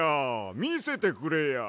みせてくれや。